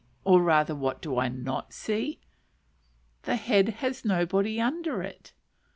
or rather what do I not see? _The head has nobody under it!